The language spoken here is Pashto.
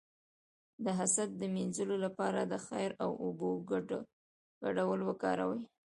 د حسد د مینځلو لپاره د خیر او اوبو ګډول وکاروئ